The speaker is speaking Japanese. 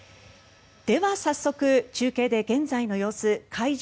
では、早速、中継で現在の様子会場